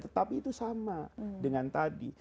tetapi itu sama dengan tadi